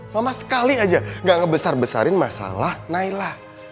mama sekali aja gak ngebesar besarin masalah naila